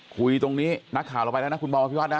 คุยตรงนี้นักข่าวเราไปแล้วนะคุณบอมอภิวัตนะ